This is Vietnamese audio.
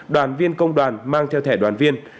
đoàn viên công đoàn mang theo thẻ đoàn viên